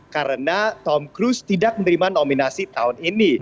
karena tom cruise tidak menerima nominasi tahun ini